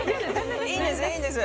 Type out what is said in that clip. いいんです、いいんです。